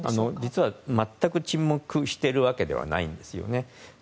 実は、全く沈黙しているわけではないんですよね。